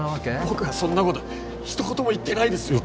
僕はそんなこと一言も言ってないですよ